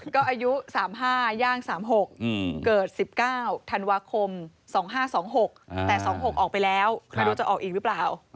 ก็อายุ๓๕ย่าง๓๖เกิด๑๙ธันวาคม๒๕๒๖แต่๒๖ออกไปแล้วไม่รู้จะออกอีกหรือเปล่า